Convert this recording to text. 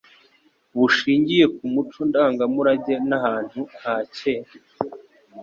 bushingiye ku muco ndangamurage n'ahantu ha kera